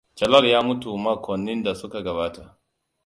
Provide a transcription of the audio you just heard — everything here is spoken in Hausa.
Jalal ya mutu makonnin da suka gabata.